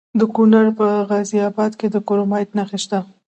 د کونړ په غازي اباد کې د کرومایټ نښې شته.